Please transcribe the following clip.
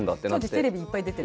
当時テレビにいっぱい出てる。